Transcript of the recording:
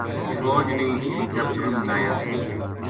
فوج نے ہیلی کاپٹر منگایا